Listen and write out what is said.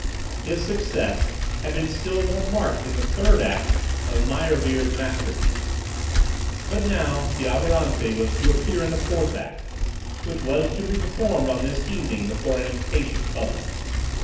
His success had been still more marked in the third act of Meyerbeer's masterpiece. But now Fiovaranti was to appear in the fourth act, which was to be performed on this evening before an impatient public.